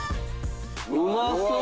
うまそう。